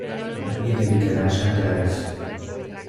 Nadie debe quedarse atrás.